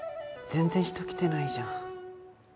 全然人来てないじゃん。